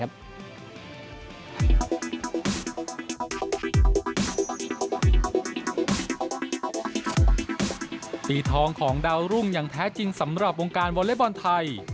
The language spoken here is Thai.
สีทองของดาวรุ่งอย่างแท้จริงสำหรับวงการวอเล็กบอลไทย